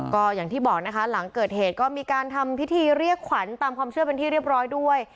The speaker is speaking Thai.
ก็อย่างที่บอกนะคะหลังเกิดเหตุก็มีการทำพิธีเรียกขวัญตามความเชื่อเป็นที่เรียบร้อยด้วย